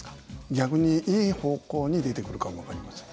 逆にいい方向に出てくるかも分かりません。